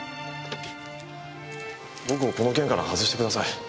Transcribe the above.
僕をこの件から外してください。